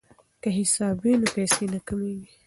که حساب وي نو پیسې نه کمیږي.